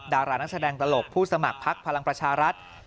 ดารานักแสดงตลกผู้สมัครพักพลังประชารัฐ